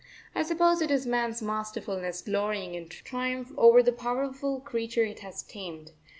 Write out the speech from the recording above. I suppose it is man's masterfulness glorying in triumph over the powerful creature it has tamed.